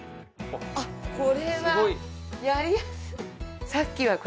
あっこれはやりやすい！